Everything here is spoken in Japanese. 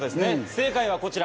正解はこちら。